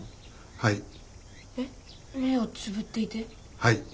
はい。